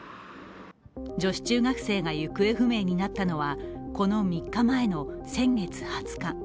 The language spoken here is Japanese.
女子中学生が行方不明になったのは、この３日前の先月２０日。